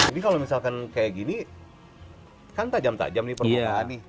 kalau misalkan kayak gini kan tajam tajam nih permukaan nih